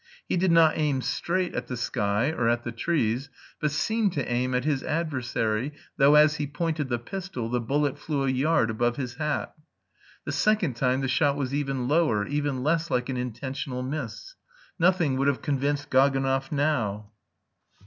He did not aim straight at the sky or at the trees, but seemed to aim at his adversary, though as he pointed the pistol the bullet flew a yard above his hat. The second time the shot was even lower, even less like an intentional miss. Nothing would have convinced Gaganov now.